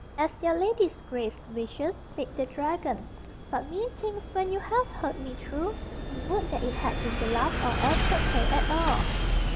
"As your lady's grace wishes," said the dragon. "But methinks when you have heard me through, you would that it had been the last or else not told at all."